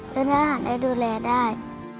วิทยาลัยอะไรได้ดูแลได้